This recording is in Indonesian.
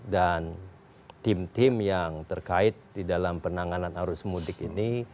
dan tim tim yang terkait di dalam penanganan arus mudik ini